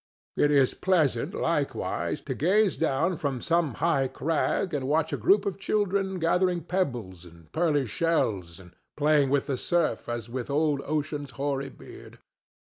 It is pleasant, likewise, to gaze down from some high crag and watch a group of children gathering pebbles and pearly shells and playing with the surf as with old Ocean's hoary beard.